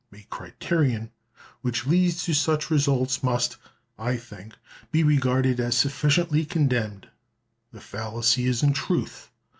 A criterion which leads to such results must, I think, be regarded as sufficiently condemned. The fallacy is, in truth